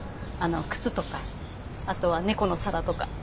靴とかあとは猫の皿とか。